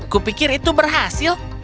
kupikir itu berhasil